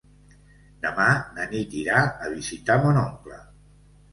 Demà na Nit irà a visitar mon oncle.